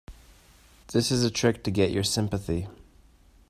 This is a trick to get your sympathy.